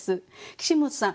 岸本さん